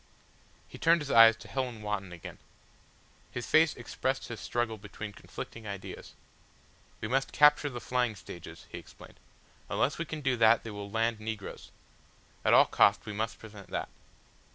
He turned his eyes to Helen Wotton again. His face expressed his struggle between conflicting ideas. "We must capture the flying stages," he explained. "Unless we can do that they will land negroes. At all costs we must prevent that."